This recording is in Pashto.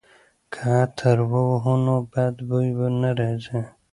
که عطر ووهو نو بد بوی نه راځي.